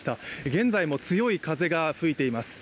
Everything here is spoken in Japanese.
現在も強い風が吹いています。